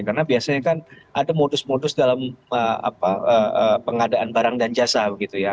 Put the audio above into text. karena biasanya kan ada modus modus dalam pengadaan barang dan jasa begitu ya